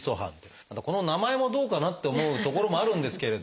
この名前もどうかなって思うところもあるんですけれど。